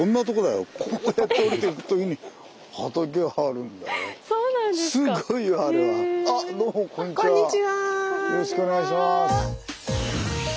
よろしくお願いします。